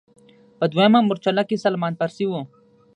په دویمه مورچله کې سلمان فارسي و.